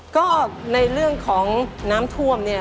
ก็ในเรื่องของน้ำท่วมเนี่ย